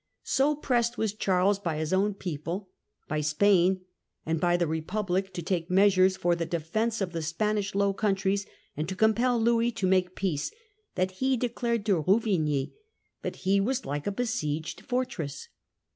So pressed was Charles by his own people, by Spain, and by the Republic, to take measures for the defence of the Spanish Low Countries and to compel Louis to make peace, that he declared to Ruvigny that he was like a besieged fortress.